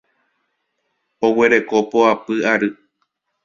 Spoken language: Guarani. Oguereko poapy ary.